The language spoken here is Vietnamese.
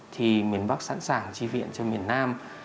thì miền bắc sẵn sàng chi viện cho miền nam